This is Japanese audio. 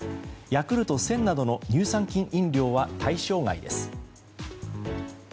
ヤクルト１０００などの乳酸菌飲料は対象外です。